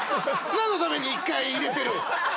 何のために１回入れてる？